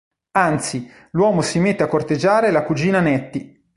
Anzi, l'uomo si mette a corteggiare la cugina Nettie.